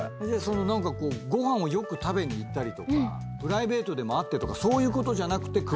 何かこうご飯をよく食べに行ったりとかプライベートでも会ってとかそういうことじゃなくて詳しい？